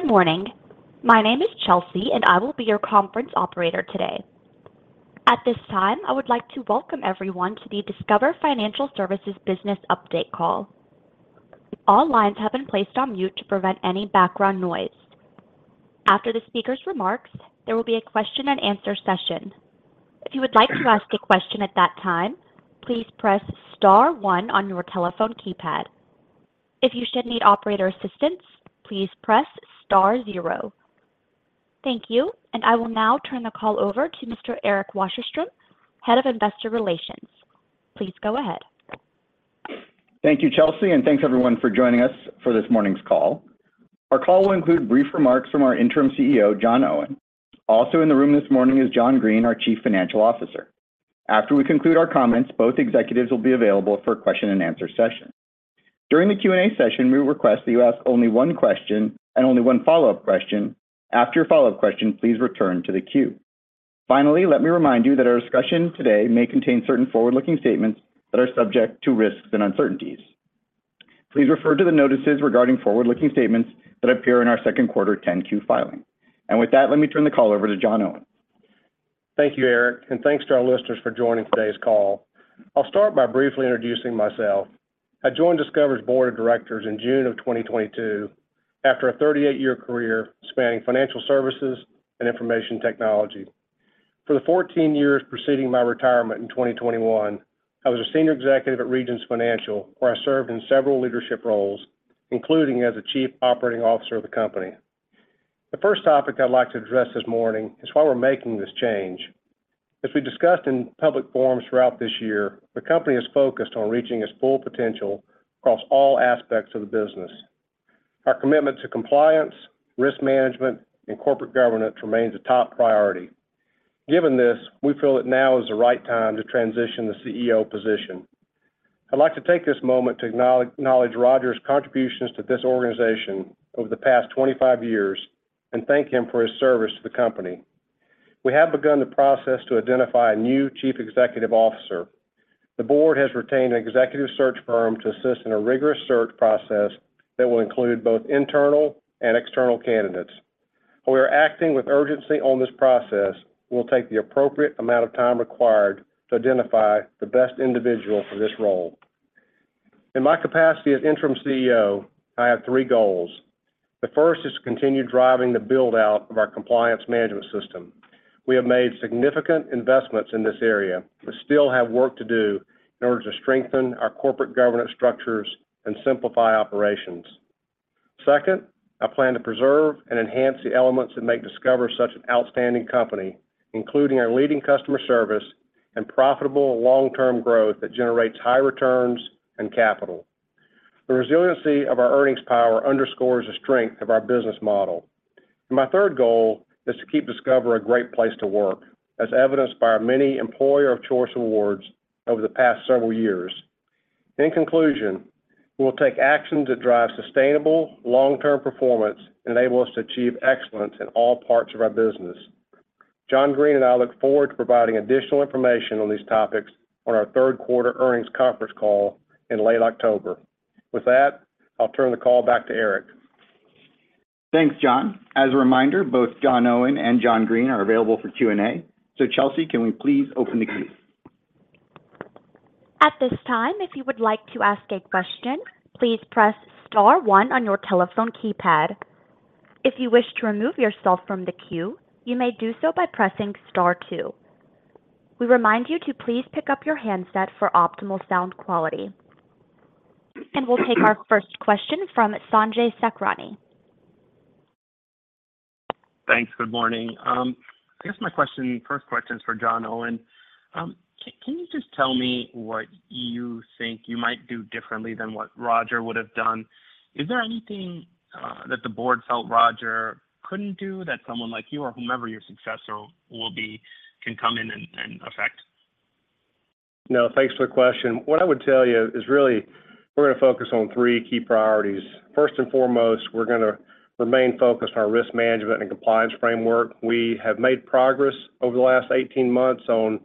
Good morning. My name is Chelsea. I will be your conference operator today. At this time, I would like to welcome everyone to the Discover Financial Services Business Update Call. All lines have been placed on mute to prevent any background noise. After the speaker's remarks, there will be a question and answer session. If you would like to ask a question at that time, please press star one on your telephone keypad. If you should need operator assistance, please press star zero. Thank you. I will now turn the call over to Mr. Eric Wasserstrom, Head of Investor Relations. Please go ahead. Thank you, Chelsea, thanks everyone for joining us for this morning's call. Our call will include brief remarks from our Interim CEO, John Owen. Also in the room this morning is John Greene, our Chief Financial Officer. After we conclude our comments, both executives will be available for a question-and-answer session. During the Q&A session, we request that you ask only one question and only one follow-up question. After your follow-up question, please return to the queue. Finally, let me remind you that our discussion today may contain certain forward-looking statements that are subject to risks and uncertainties. Please refer to the notices regarding forward-looking statements that appear in our second quarter 10-Q filing. With that, let me turn the call over to John Owen. Thank you, Eric. Thanks to our listeners for joining today's call. I'll start by briefly introducing myself. I joined Discover's board of directors in June of 2022 after a 38-year career spanning financial services and information technology. For the 14 years preceding my retirement in 2021, I was a senior executive at Regions Financial, where I served in several leadership roles, including as the Chief Operating Officer of the company. The first topic I'd like to address this morning is why we're making this change. As we discussed in public forums throughout this year, the company is focused on reaching its full potential across all aspects of the business. Our commitment to compliance, risk management, and corporate governance remains a top priority. Given this, we feel that now is the right time to transition the CEO position. I'd like to take this moment to acknowledge Roger's contributions to this organization over the past 25 years and thank him for his service to the company. We have begun the process to identify a new Chief Executive Officer. The board has retained an executive search firm to assist in a rigorous search process that will include both internal and external candidates. We are acting with urgency on this process. We'll take the appropriate amount of time required to identify the best individual for this role. In my capacity as interim CEO, I have three goals. The first is to continue driving the build-out of our compliance management system. We have made significant investments in this area, but still have work to do in order to strengthen our corporate governance structures and simplify operations. Second, I plan to preserve and enhance the elements that make Discover such an outstanding company, including our leading customer service and profitable long-term growth that generates high returns and capital. The resiliency of our earnings power underscores the strength of our business model. My third goal is to keep Discover a great place to work, as evidenced by our many Employer of Choice awards over the past several years. In conclusion, we will take action to drive sustainable, long-term performance and enable us to achieve excellence in all parts of our business. John Greene and I look forward to providing additional information on these topics on our third quarter earnings conference call in late October. With that, I'll turn the call back to Eric. Thanks, John. As a reminder, both John Owen and John Greene are available for Q&A. Chelsea, can we please open the queue? At this time, if you would like to ask a question, please press star one on your telephone keypad. If you wish to remove yourself from the queue, you may do so by pressing star two. We remind you to please pick up your handset for optimal sound quality. We'll take our first question from Sanjay Sakhrani. Thanks. Good morning. I guess my question, first question is for John Owen. Can you just tell me what you think you might do differently than what Roger would have done? Is there anything that the board felt Roger couldn't do that someone like you or whomever your successor will be, can come in and, and affect? No, thanks for the question. What I would tell you is really, we're going to focus on three key priorities. First and foremost, we're going to remain focused on risk management and compliance framework. We have made progress over the last 18 months on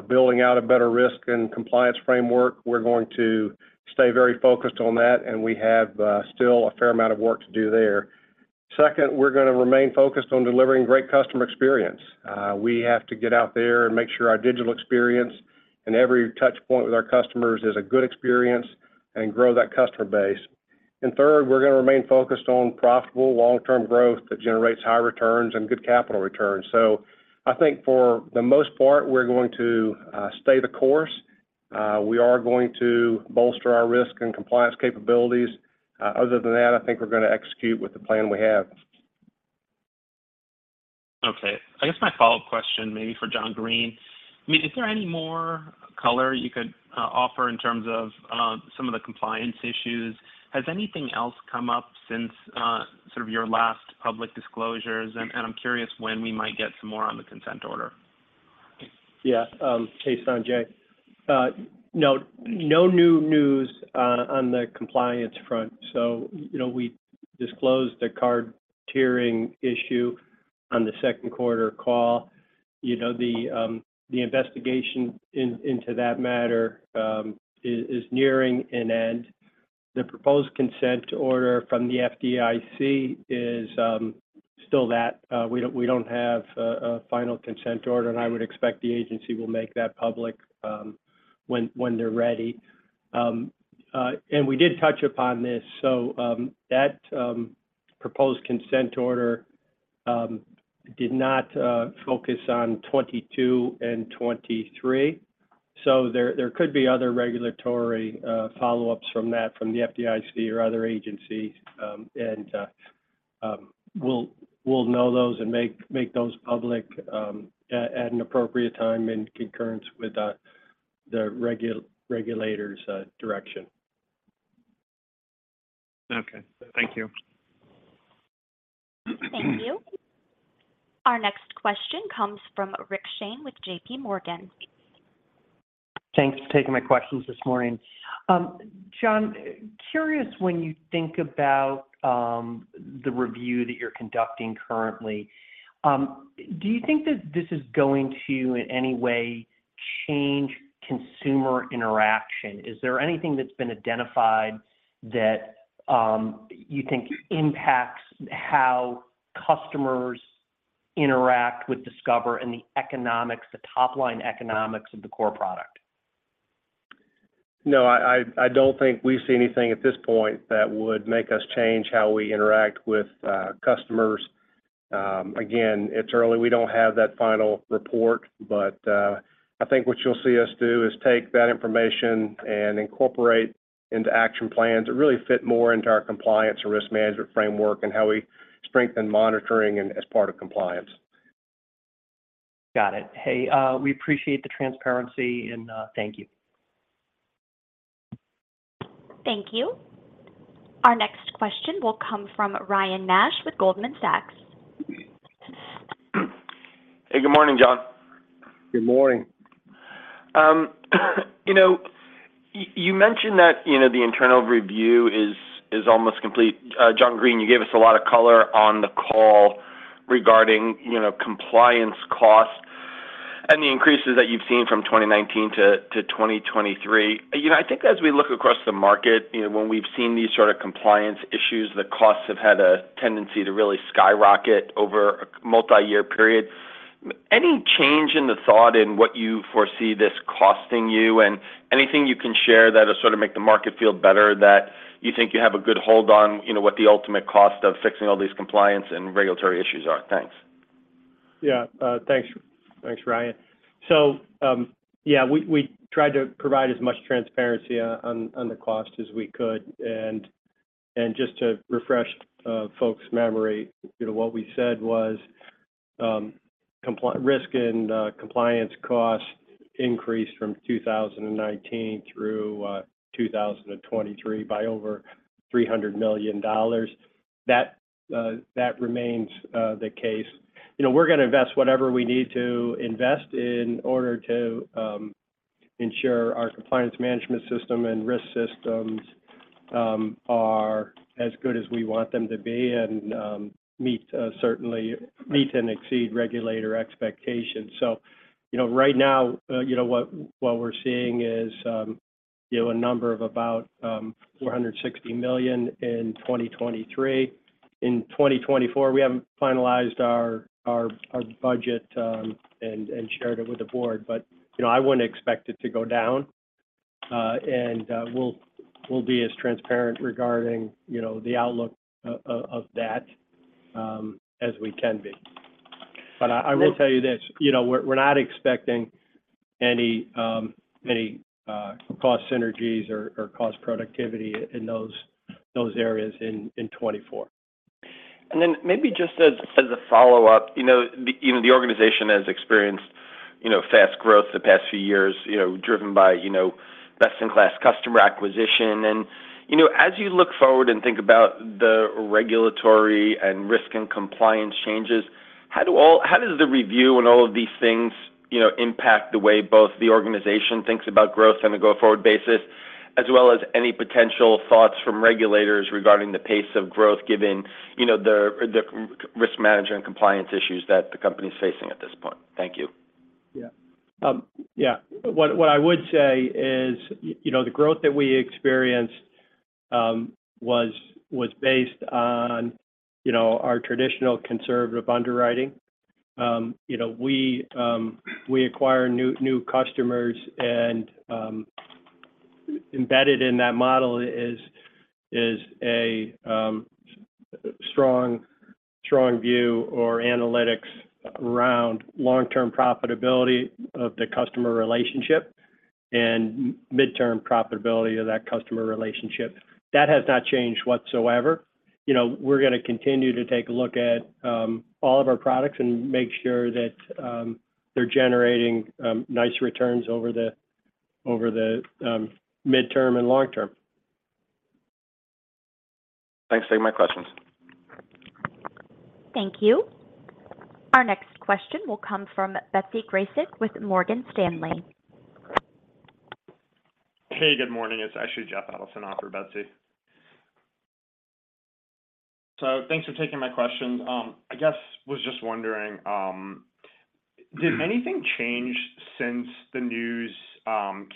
building out a better risk and compliance framework. We're going to stay very focused on that, and we have still a fair amount of work to do there. Second, we're going to remain focused on delivering great customer experience. We have to get out there and make sure our digital experience and every touch point with our customers is a good experience and grow that customer base. Third, we're going to remain focused on profitable long-term growth that generates high returns and good capital returns. I think for the most part, we're going to stay the course. We are going to bolster our risk and compliance capabilities. Other than that, I think we're going to execute with the plan we have. Okay. I guess my follow-up question, maybe for John Greene, I mean, is there any more color you could offer in terms of some of the compliance issues? Has anything else come up since sort of your last public disclosures? I'm curious when we might get some more on the consent order. Yeah. Hey, Sanjay. No, no new news on the compliance front. You know, we disclosed a card tiering issue on the second quarter call. You know, the investigation into that matter is nearing an end. The proposed consent order from the FDIC is still that, we don't have a final consent order, and I would expect the agency will make that public when they're ready. We did touch upon this, that proposed consent order did not focus on 2022 and 2023. There could be other regulatory follow-ups from that, from the FDIC or other agencies. We'll know those and make those public at an appropriate time in concurrence with the regulator's direction. Okay. Thank you. Thank you. Our next question comes from Richard Shane with JPMorgan. Thanks for taking my questions this morning. John, curious, when you think about the review that you're conducting currently, do you think that this is going to, in any way, change consumer interaction? Is there anything that's been identified that you think impacts how customers interact with Discover and the economics, the top-line economics of the core product? No, I, I, I don't think we see anything at this point that would make us change how we interact with customers. Again, it's early. We don't have that final report, but I think what you'll see us do is take that information and incorporate into action plans that really fit more into our compliance and risk management framework and how we strengthen monitoring and as part of compliance. Got it. Hey, we appreciate the transparency, and thank you. Thank you. Our next question will come from Ryan Nash with Goldman Sachs. Hey, good morning, John. Good morning. You know, you mentioned that, you know, the internal review is, is almost complete. John Greene, you gave us a lot of color on the call regarding, you know, compliance costs and the increases that you've seen from 2019 to 2023. You know, I think as we look across the market, you know, when we've seen these sort of compliance issues, the costs have had a tendency to really skyrocket over a multiyear period. Any change in the thought in what you foresee this costing you? Anything you can share that'll sort of make the market feel better, that you think you have a good hold on, you know, what the ultimate cost of fixing all these compliance and regulatory issues are? Thanks. Yeah. Thanks. Thanks, Ryan. So, yeah, we, we tried to provide as much transparency on, on, on the cost as we could. Just to refresh, folks' memory, you know, what we said was, risk and compliance costs increased from 2019 through 2023 by over $300 million. That, that remains the case. You know, we're gonna invest whatever we need to invest in order to ensure our compliance management system and risk systems are as good as we want them to be and meet, certainly meet and exceed regulator expectations. So, you know, right now, you know, what, what we're seeing is, you know, a number of about $460 million in 2023. In 2024, we haven't finalized our budget and shared it with the board, you know, I wouldn't expect it to go down. We'll be as transparent regarding, you know, the outlook of that as we can be. And- I will tell you this, you know, we're, we're not expecting any, any cost synergies or, or cost productivity in those, those areas in, in 2024. Then maybe just as, as a follow-up, you know, the, you know, the organization has experienced, you know, fast growth the past few years, you know, driven by, you know, best-in-class customer acquisition. You know, as you look forward and think about the regulatory and risk and compliance changes, how does the review and all of these things, you know, impact the way both the organization thinks about growth on a go-forward basis, as well as any potential thoughts from regulators regarding the pace of growth, given, you know, the, the risk management and compliance issues that the company's facing at this point? Thank you. Yeah. Yeah. What, what I would say is, you know, the growth that we experienced, was, was based on, you know, our traditional conservative underwriting. You know, we, we acquire new, new customers, and, embedded in that model is, is a, strong, strong view or analytics around long-term profitability of the customer relationship and midterm profitability of that customer relationship. That has not changed whatsoever. You know, we're gonna continue to take a look at, all of our products and make sure that, they're generating, nice returns over the, over the, midterm and long term. Thanks. Those are my questions. Thank you. Our next question will come from Betsy Graseck with Morgan Stanley. Hey, good morning. It's actually Jeffrey Adelson on for Betsy. Thanks for taking my questions. I guess, was just wondering, did anything change since the news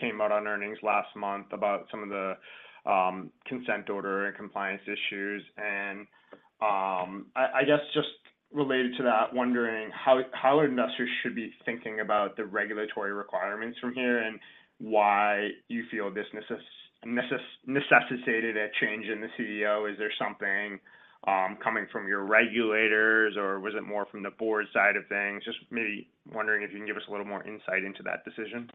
came out on earnings last month about some of the consent order and compliance issues? I, I guess just related to that, wondering how investors should be thinking about the regulatory requirements from here, and why you feel this necessitated a change in the CEO? Is there something coming from your regulators, or was it more from the board side of things? Just me wondering if you can give us a little more insight into that decision.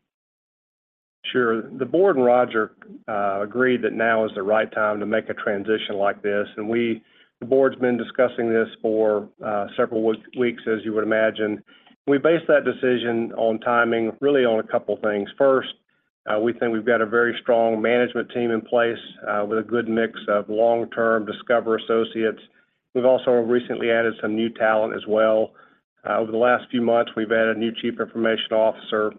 Sure. The board and Roger agreed that now is the right time to make a transition like this, and the board's been discussing this for several weeks, weeks, as you would imagine. We based that decision on timing, really on a couple things. First, we think we've got a very strong management team in place, with a good mix of long-term Discover associates. We've also recently added some new talent as well. Over the last few months, we've added a new chief information officer,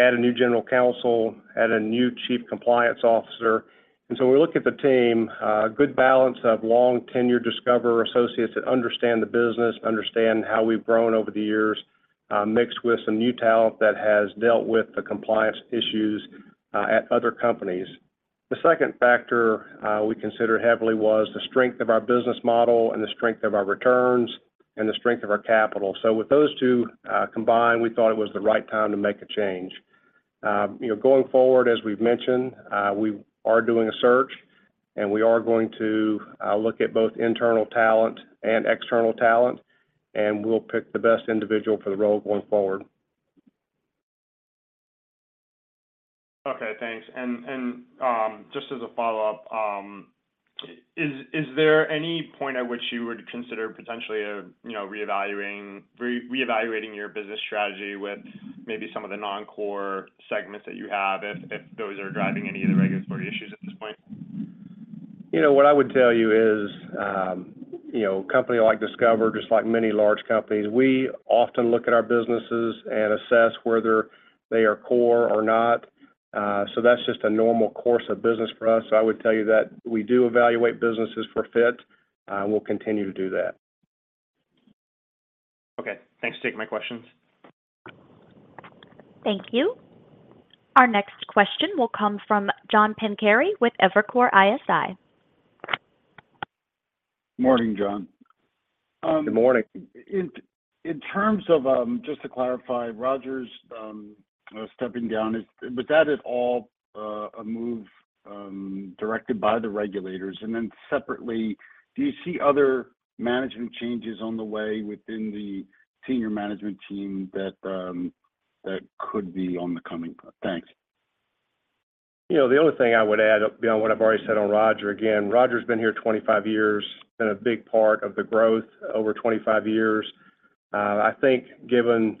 added a new general counsel, added a new chief compliance officer. We look at the team, good balance of long-tenured Discover associates that understand the business, understand how we've grown over the years, mixed with some new talent that has dealt with the compliance issues, at other companies. The second factor, we consider heavily was the strength of our business model and the strength of our returns and the strength of our capital. With those two, combined, we thought it was the right time to make a change. You know, going forward, as we've mentioned, we are doing a search, and we are going to look at both internal talent and external talent, and we'll pick the best individual for the role going forward. Okay, thanks. Just as a follow-up, is there any point at which you would consider potentially, you know, reevaluating your business strategy with maybe some of the non-core segments that you have, if those are driving any of the regulatory issues at this point? You know, what I would tell you is, you know, a company like Discover, just like many large companies, we often look at our businesses and assess whether they are core or not. That's just a normal course of business for us. I would tell you that we do evaluate businesses for fit, we'll continue to do that. Okay, thanks for taking my questions. Thank you. Our next question will come from John Pancari with Evercore ISI. Morning, John. Good morning. In, in terms of, just to clarify, Roger's stepping down, was that at all a move directed by the regulators? Separately, do you see other management changes on the way within the senior management team that, that could be on the coming? Thanks. You know, the only thing I would add beyond what I've already said on Roger, again, Roger's been here 25 years, been a big part of the growth over 25 years. I think given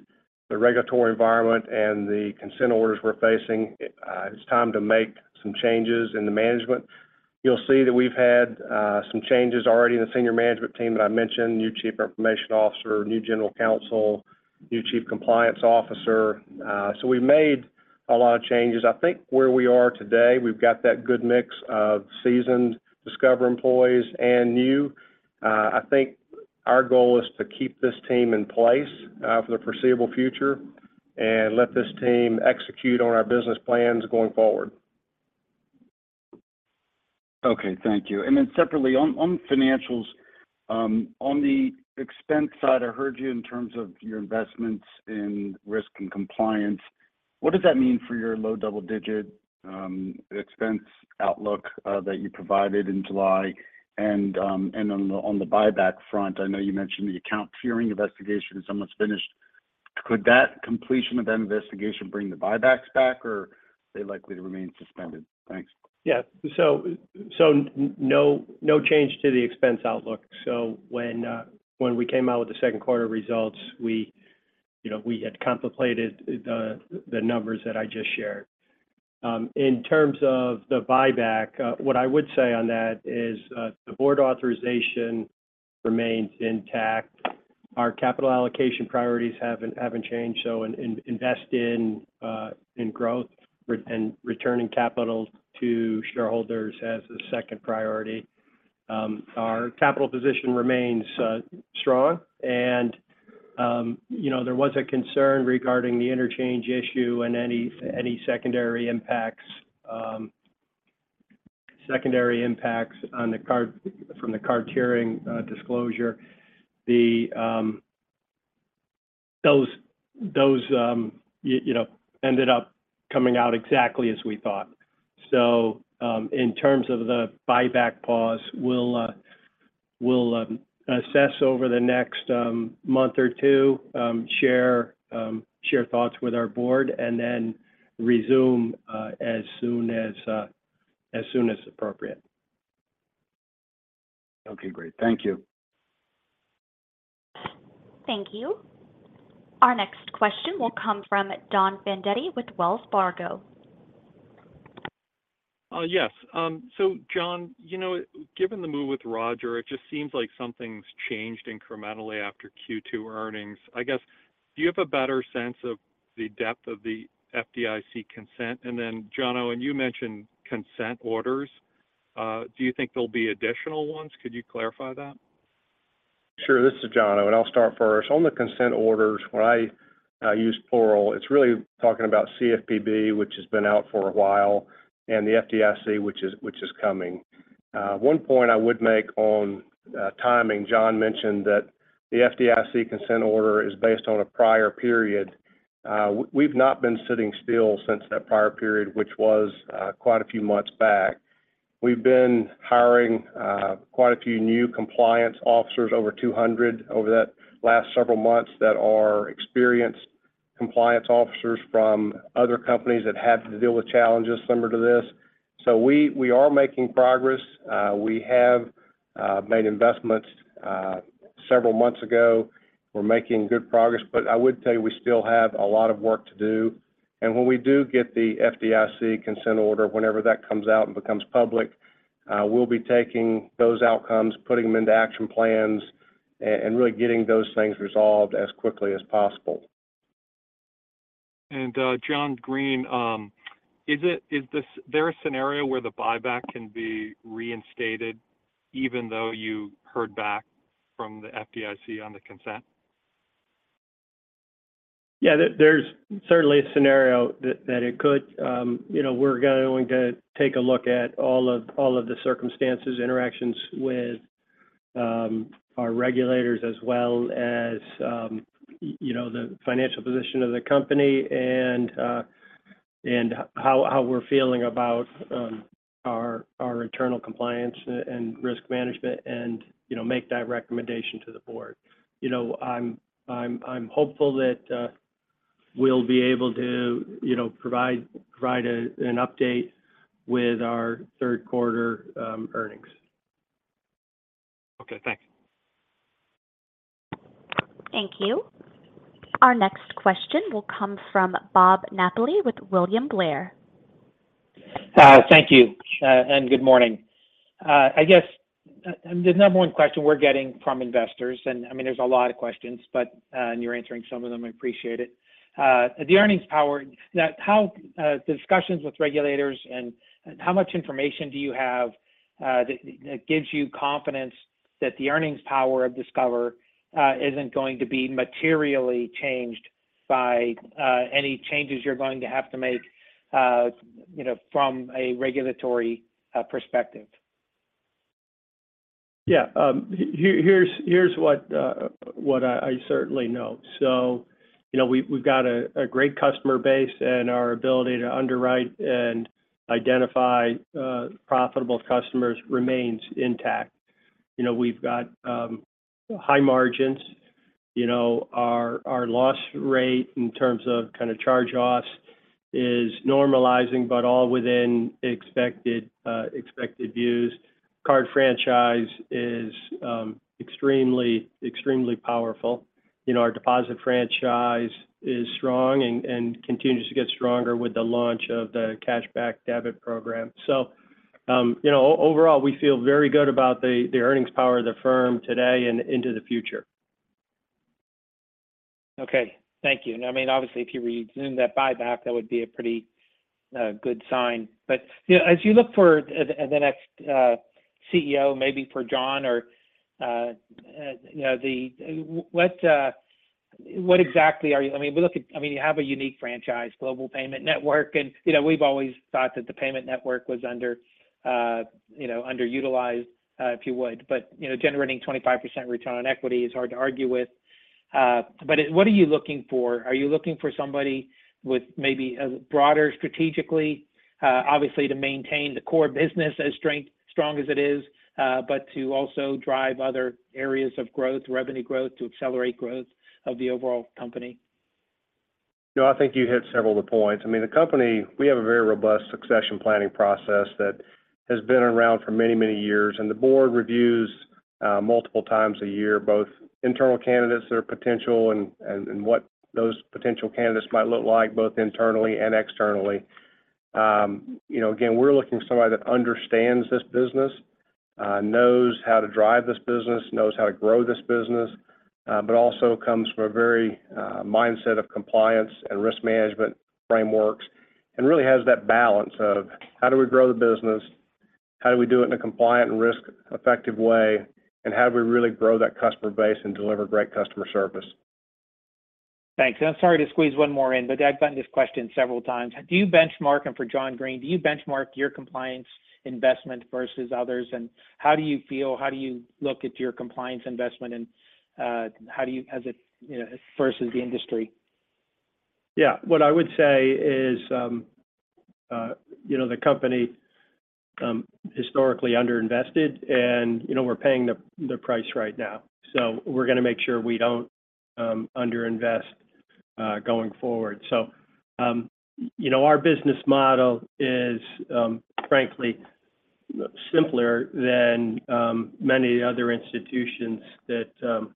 the regulatory environment and the consent orders we're facing, it's time to make some changes in the management. You'll see that we've had some changes already in the senior management team that I mentioned, new Chief Information Officer, new General Counsel, new Chief Compliance Officer. We've made a lot of changes. I think where we are today, we've got that good mix of seasoned Discover employees and new. I think our goal is to keep this team in place for the foreseeable future and let this team execute on our business plans going forward. Okay, thank you. Separately, on, on financials, on the expense side, I heard you in terms of your investments in risk and compliance. What does that mean for your low double-digit expense outlook that you provided in July? On the, on the buyback front, I know you mentioned the account tiering investigation is almost finished. Could that completion of that investigation bring the buybacks back, or are they likely to remain suspended? Thanks. Yeah. No, no change to the expense outlook. When, when we came out with the second quarter results, we, you know, we had contemplated the, the numbers that I just shared. In terms of the buyback, what I would say on that is the board authorization remains intact. Our capital allocation priorities haven't, haven't changed, invest in growth and returning capital to shareholders as the second priority. Our capital position remains strong and, you know, there was a concern regarding the interchange issue and any, any secondary impacts, secondary impacts from the card tiering disclosure. The, those, those, you know, ended up coming out exactly as we thought. In terms of the buyback pause, we'll, we'll assess over the next month or two, share thoughts with our board and then resume as soon as, as soon as appropriate. Okay, great. Thank you. Thank you. Our next question will come from Donald Fandetti with Wells Fargo. Yes. John, you know, given the move with Roger, it just seems like something's changed incrementally after Q2 earnings. I guess, do you have a better sense of the depth of the FDIC consent? John O, you mentioned consent orders, do you think there'll be additional ones? Could you clarify that? Sure, this is John O. I'll start first. On the consent orders, when I use plural, it's really talking about CFPB, which has been out for a while, and the FDIC, which is, which is coming. One point I would make on timing, John mentioned that the FDIC consent order is based on a prior period. We've not been sitting still since that prior period, which was quite a few months back. We've been hiring quite a few new compliance officers, over 200 over that last several months, that are experienced compliance officers from other companies that had to deal with challenges similar to this. We are making progress. We have made investments several months ago. We're making good progress, but I would tell you, we still have a lot of work to do. When we do get the FDIC consent order, whenever that comes out and becomes public, we'll be taking those outcomes, putting them into action plans and really getting those things resolved as quickly as possible. John Greene, there a scenario where the buyback can be reinstated even though you heard back from the FDIC on the consent? Yeah, there, there's certainly a scenario that, that it could. You know, we're going to take a look at all of, all of the circumstances, interactions with, our regulators, as well as, you know, the financial position of the company and how, how we're feeling about, our, our internal compliance and, and risk management and, you know, make that recommendation to the board. You know, I'm, I'm, I'm hopeful that, we'll be able to, you know, provide, provide a, an update with our third quarter, earnings. Okay. Thanks. Thank you. Our next question will come from Robert Napoli with William Blair. Thank you, and good morning. I guess, the number 1 question we're getting from investors, and, I mean, there's a lot of questions, but, and you're answering some of them, I appreciate it. The earnings power, that how, discussions with regulators and how much information do you have, that, that gives you confidence that the earnings power of Discover isn't going to be materially changed by any changes you're going to have to make, you know, from a regulatory perspective? Yeah, here, here's, here's what, what I, I certainly know. You know, we've, we've got a, a great customer base, and our ability to underwrite and identify, profitable customers remains intact. You know, we've got, high margins. You know, our, our loss rate in terms of kind of charge-offs is normalizing, but all within expected, expected views. Card franchise is, extremely, extremely powerful. You know, our deposit franchise is strong and, and continues to get stronger with the launch of the Cashback Debit program. You know, overall, we feel very good about the, the earnings power of the firm today and into the future. Okay. Thank you. I mean, obviously, if you resume that buyback, that would be a pretty good sign. You know, as you look for the next CEO, maybe for John or, you know, what exactly are you-- I mean, we look at-- I mean, you have a unique franchise, global payment network, and, you know, we've always thought that the payment network was under, you know, underutilized, if you would. You know, generating 25% return on equity is hard to argue with. What are you looking for? Are you looking for somebody with maybe a broader strategically, obviously, to maintain the core business as strong as it is, but to also drive other areas of growth, revenue growth, to accelerate growth of the overall company? No, I think you hit several of the points. I mean, the company, we have a very robust succession planning process that has been around for many, many years, and the board reviews multiple times a year, both internal candidates that are potential and, and, and what those potential candidates might look like, both internally and externally. You know, again, we're looking for somebody that understands this business, knows how to drive this business, knows how to grow this business, but also comes from a very mindset of compliance and risk management frameworks, and really has that balance of how do we grow the business? How do we do it in a compliant and risk-effective way? How do we really grow that customer base and deliver great customer service? Thanks. I'm sorry to squeeze one more in, I've gotten this question several times. Do you Benchmark, and for John Greene, do you Benchmark your compliance investment versus others? How do you feel? How do you look at your compliance investment and how do you Has it, you know, versus the industry? Yeah. What I would say is, you know, the company historically underinvested, and, you know, we're paying the price right now. We're going to make sure we don't underinvest going forward. You know, our business model is frankly, simpler than many other institutions that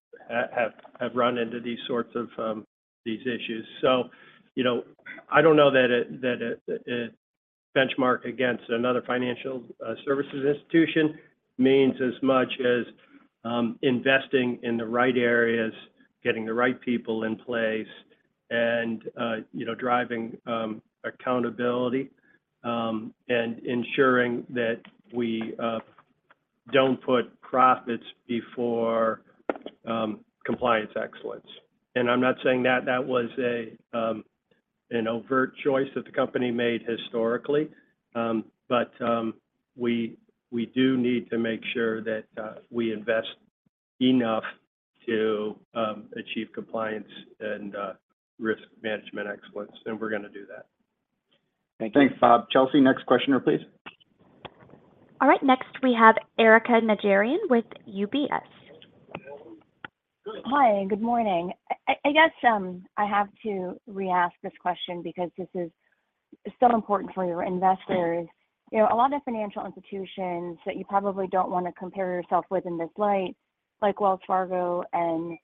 have run into these sorts of these issues. You know, I don't know that it, that it, it Benchmark against another financial services institution means as much as investing in the right areas, getting the right people in place, and, you know, driving accountability, and ensuring that we don't put profits before compliance excellence. I'm not saying that that was an overt choice that the company made historically, but we do need to make sure that we invest enough to achieve compliance and risk management excellence, and we're going to do that. Thank you. Thanks, Rob. Chelsea, next questioner, please. All right. Next, we have Erika Najarian with UBS. Hi, good morning. I, I guess, I have to re-ask this question because this is so important for your investors. You know, a lot of financial institutions that you probably don't want to compare yourself with in this light, like Wells Fargo and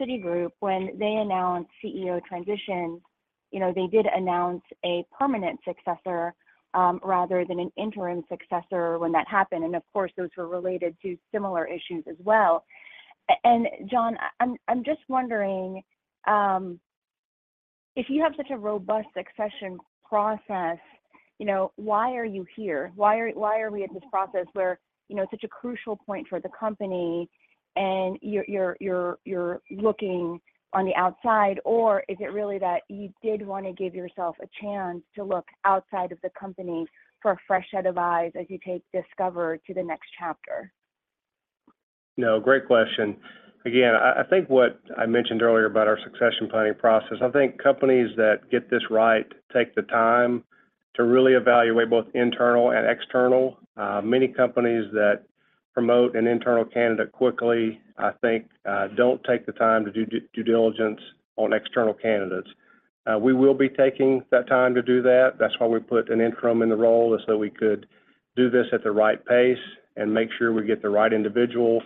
Citigroup, when they announced CEO transitions, you know, they did announce a permanent successor, rather than an interim successor when that happened. Of course, those were related to similar issues as well. John, I'm just wondering, if you have such a robust succession process, you know, why are you here? Why are, why are we in this process where, you know, such a crucial point for the company and you're, you're, you're, you're looking on the outside? Is it really that you did want to give yourself a chance to look outside of the company for a fresh set of eyes as you take Discover to the next chapter? No, great question. I think what I mentioned earlier about our succession planning process, I think companies that get this right take the time to really evaluate both internal and external. Many companies that promote an internal candidate quickly, I think, don't take the time to do due diligence on external candidates. We will be taking that time to do that. That's why we put an interim in the role, so we could do this at the right pace and make sure we get the right individual.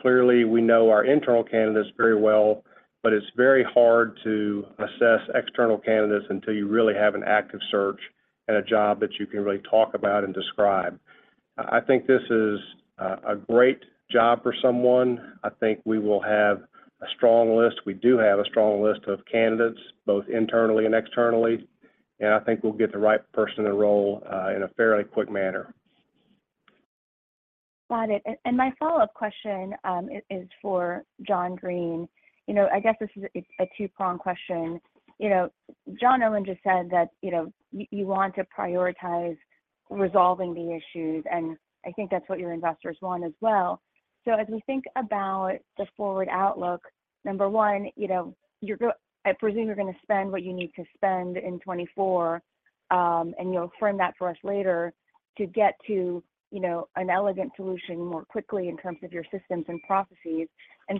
Clearly, we know our internal candidates very well, but it's very hard to assess external candidates until you really have an active search and a job that you can really talk about and describe. I think this is a great job for someone. I think we will have a strong list. We do have a strong list of candidates, both internally and externally, and I think we'll get the right person in the role, in a fairly quick manner. Got it. My follow-up question is for John Greene. You know, I guess it's a 2-prong question. You know, John Owen just said that, you know, you want to prioritize resolving the issues, and I think that's what your investors want as well. As we think about the forward outlook, number 1, you know, I presume you're going to spend what you need to spend in 2024, and you'll frame that for us later to get to, you know, an elegant solution more quickly in terms of your systems and processes.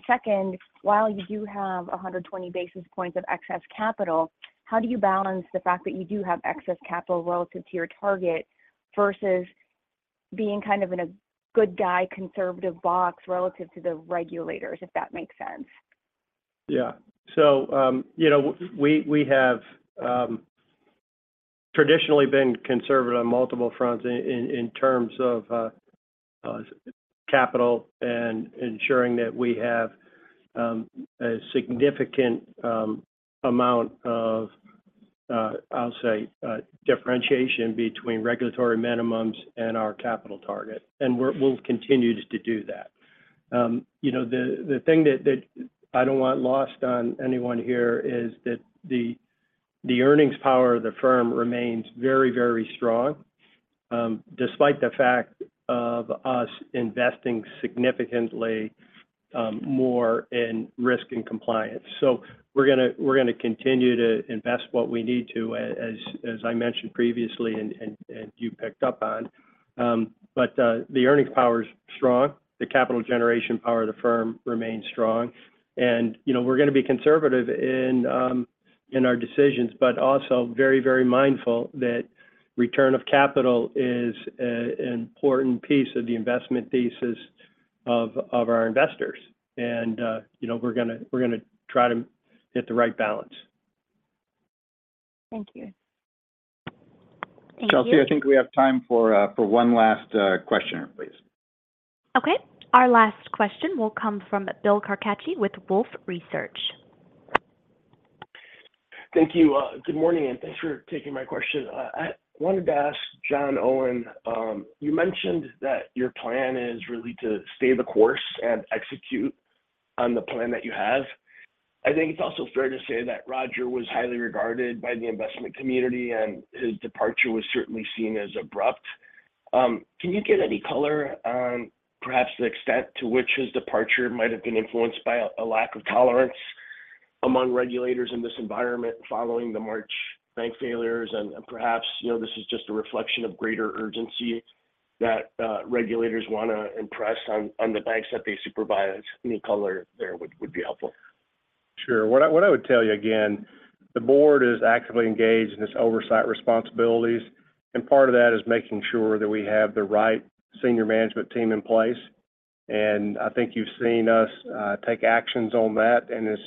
Second, while you do have 120 basis points of excess capital, how do you balance the fact that you do have excess capital relative to your target versus being kind of in a good guy, conservative box relative to the regulators, if that makes sense? Yeah. You know, we, we have traditionally been conservative on multiple fronts in, in, in terms of capital and ensuring that we have a significant amount of, I'll say, differentiation between regulatory minimums and our capital target, and we'll continue to do that. You know, the thing that I don't want lost on anyone here is that the earnings power of the firm remains very, very strong, despite the fact of us investing significantly more in risk and compliance. We're going to, we're going to continue to invest what we need to, as, as, as I mentioned previously, and, and, and you picked up on. The earnings power is strong, the capital generation power of the firm remains strong. You know, we're going to be conservative in our decisions, but also very, very mindful that return of capital is an important piece of the investment thesis of our investors. You know, we're going to, we're going to try to hit the right balance. Thank you. Thank you. Chelsea, I think we have time for, for one last questioner, please. Okay. Our last question will come from Bill Carcache with Wolfe Research. Thank you. Good morning, thanks for taking my question. I wanted to ask John Owen, you mentioned that your plan is really to stay the course and execute on the plan that you have. I think it's also fair to say that Roger was highly regarded by the investment community, his departure was certainly seen as abrupt. Can you give any color on perhaps the extent to which his departure might have been influenced by a lack of tolerance among regulators in this environment following the March bank failures? Perhaps, you know, this is just a reflection of greater urgency that regulators want to impress on the banks that they supervise. Any color there would be helpful. Sure. What I, what I would tell you again, the board is actively engaged in its oversight responsibilities, and part of that is making sure that we have the right senior management team in place. I think you've seen us take actions on that, and it's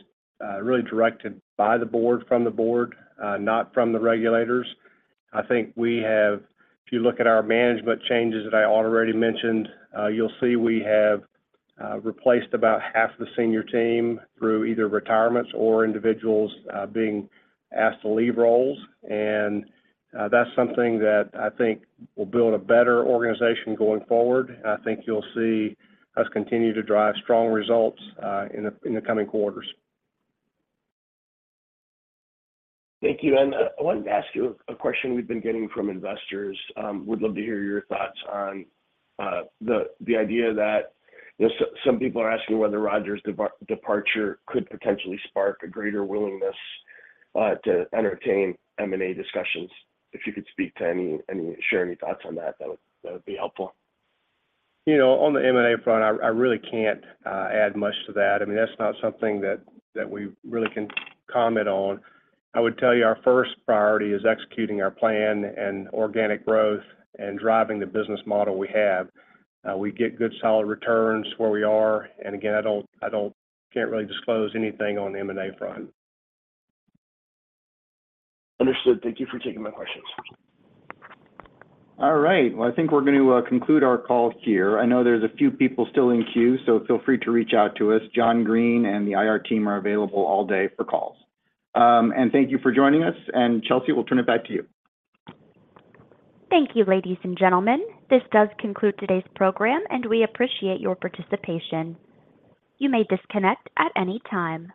really directed by the board, from the board, not from the regulators. I think we have. If you look at our management changes that I already mentioned, you'll see we have replaced about half the senior team through either retirements or individuals being asked to leave roles. That's something that I think will build a better organization going forward. I think you'll see us continue to drive strong results in the coming quarters. Thank you. I wanted to ask you a question we've been getting from investors. Would love to hear your thoughts on the idea that, you know, some people are asking whether Roger's departure could potentially spark a greater willingness to entertain M&A discussions. If you could share any thoughts on that, that would, that would be helpful. You know, on the M&A front, I, I really can't add much to that. I mean, that's not something that, that we really can comment on. I would tell you our first priority is executing our plan and organic growth and driving the business model we have. We get good, solid returns where we are, and again, I can't really disclose anything on the M&A front. Understood. Thank you for taking my questions. All right. Well, I think we're going to conclude our call here. I know there's a few people still in queue, so feel free to reach out to us. John Greene and the IR team are available all day for calls. Thank you for joining us, and Chelsea, we'll turn it back to you. Thank you, ladies and gentlemen. This does conclude today's program. We appreciate your participation. You may disconnect at any time.